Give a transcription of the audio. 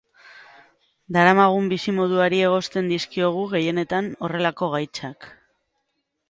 Daramagun bizi-moduari egozten dizkiogu, gehienetan, horrelako gaitzak.